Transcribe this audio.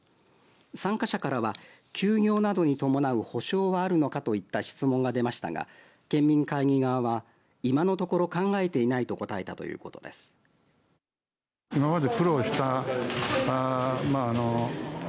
参加者からは休業などに伴う補償はあるのかといった質問が出ましたが県民会議側は今のところ考えていないと答えたということですこんにちは。